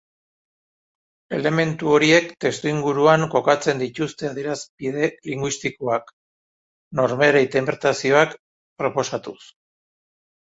Elementu horiek testuinguruan kokatzen dituzte adierazpide linguistikoak, norbere interpretazioak proposatuz.